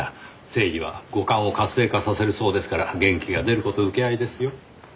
セージは五感を活性化させるそうですから元気が出る事請け合いですよ。